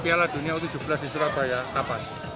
piala dunia ke tujuh belas di surabaya kapan